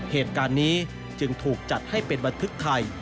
เหตุการณ์นี้จึงถูกจัดให้เป็นบันทึกไทย